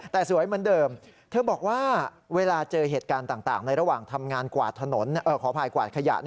แต่สวยเหมือนเดิมเธอบอกว่าเวลาเจอเหตุการณ์ต่างในระหว่างทำงานกวาดถนนขออภัยกวาดขยะ